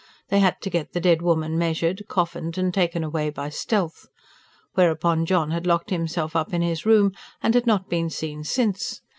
They had to get the dead woman measured, coffined and taken away by stealth. Whereupon John had locked himself up in his room, and had not been seen since.